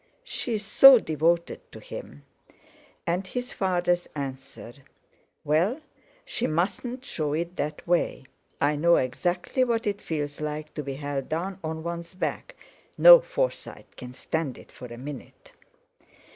She's so devoted to him"; and his father's answer: "Well, she mustn't show it that way. I know exactly what it feels like to be held down on one's back. No Forsyte can stand it for a minute."